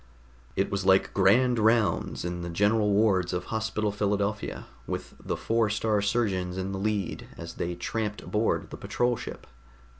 It was like Grand Rounds in the general wards of Hospital Philadelphia, with the Four star Surgeons in the lead as they tramped aboard the patrol ship.